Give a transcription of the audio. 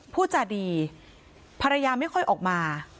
พูดจาดีภรรยาไม่ค่อยออกมา